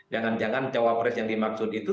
jangan jangan cawapres yang dimaksud itu